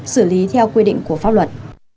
xử lý theo quy định của pháp luật